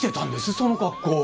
その格好。